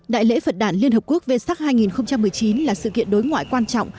đại lễ phật đàn liên hợp quốc vê sắc hai nghìn một mươi chín là sự kiện đối ngoại quan trọng